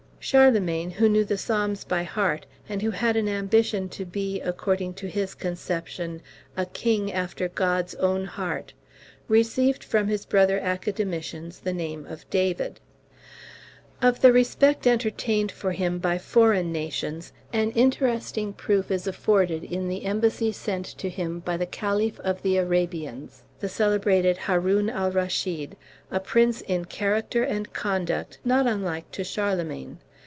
Charlemagne, who knew the Psalms by heart, and who had an ambition to be, according to his conception, A KING AFTER GOD'S OWN HEART, received from his brother academicians the name of David. Of the respect entertained for him by foreign nations an interesting proof is afforded in the embassy sent to him by the Caliph of the Arabians, the celebrated Haroun al Raschid, a prince in character and conduct not unlike to Charlemagne.